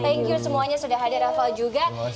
thank you semuanya sudah hadir raffle juga